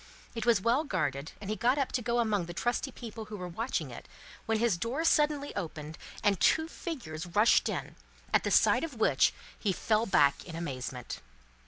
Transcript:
It was well guarded, and he got up to go among the trusty people who were watching it, when his door suddenly opened, and two figures rushed in, at sight of which he fell back in amazement.